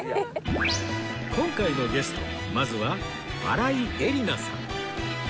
今回のゲストまずは新井恵理那さん